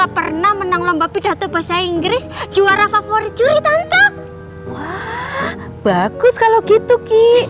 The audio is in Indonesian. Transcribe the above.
pernah menang lomba pidato bahasa inggris juara favorit ditangkap wah bagus kalau gitu ki